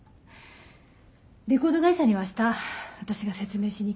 レコード会社には明日私が説明しに行くから。